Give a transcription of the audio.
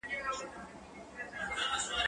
ايا ته ليکلي پاڼي ترتيب کوې!.